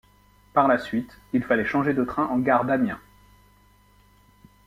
Par la suite, il fallait changer de train en gare d'Amiens.